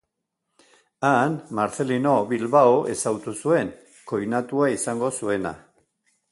Han Marcelino Bilbao ezagutu zuen, koinatua izango zuena.